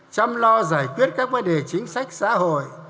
chăm lo giải quyết các vấn đề chính sách xã hội